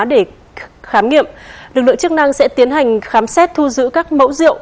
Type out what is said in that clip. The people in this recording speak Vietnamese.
để khám nghiệm lực lượng chức năng sẽ tiến hành khám xét thu giữ các mẫu rượu